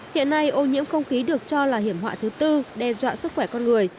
hiện nay ô nhiễm không khí được cho là hiểm họa thứ tư đe dọa sức khỏe con người